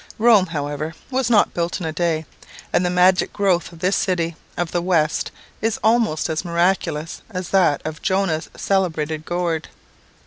Rome, however, was not built in a day; and the magic growth of this city of the West is almost as miraculous as that of Jonah's celebrated gourd.